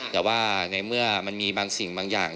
แต่ว่าในเมื่อมันมีบางสิ่งบางอย่าง